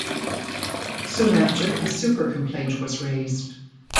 Soon after, a super complaint was raised.